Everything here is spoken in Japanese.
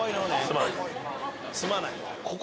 「すまない」。